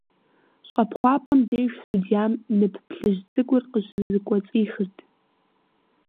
ЩӀэпхъуапӀэм деж судьям нып плъыжь цӀыкӀур щызэкӀуэцӀихырт.